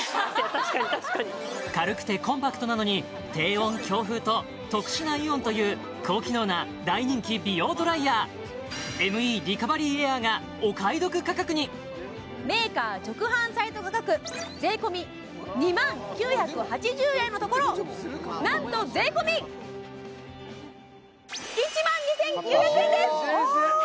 確かに確かに軽くてコンパクトなのに低温強風と特殊なイオンという高機能な大人気美容ドライヤーＭＥリカバリーエアーがお買い得価格にメーカー直販サイト価格税込２万９８０円のところなんと税込１万２９００円です